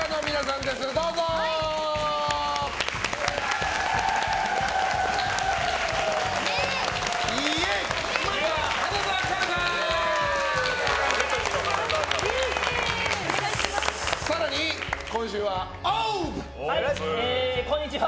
こんにちは。